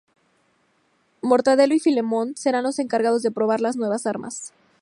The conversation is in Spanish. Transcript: Mortadelo y Filemón serán los encargados de probar las nuevas armas.